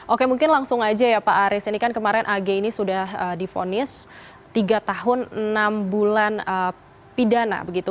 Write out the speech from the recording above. oke mungkin langsung aja ya pak aris ini kan kemarin ag ini sudah difonis tiga tahun enam bulan pidana begitu